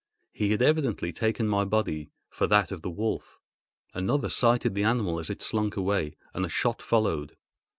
He had evidently taken my body for that of the wolf. Another sighted the animal as it slunk away, and a shot followed.